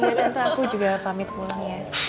iya dan aku juga pamit pulang ya